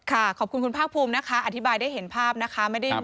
ขอบคุณคุณภาคภูมินะคะอธิบายได้เห็นภาพนะคะ